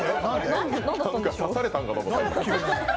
なんか刺されたんかと思った。